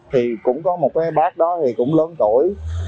thì cũng có một cái bác đó thì cũng lớn tuổi